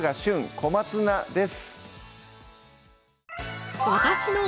小松菜」です